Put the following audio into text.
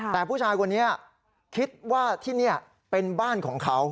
แต่ผู้ชายคนนี้คิดว่าที่นี่เป็นบ้านของเขา